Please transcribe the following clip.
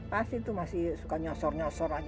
pasti itu masih suka nyosor nyosor aja